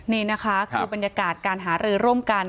นี่นะคะคือบรรยากาศการหารือร่วมกัน